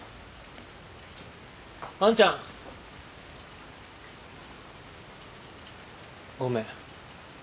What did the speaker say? アンちゃん！ごめん。